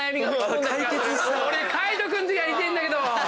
俺海人君とやりてえんだけど！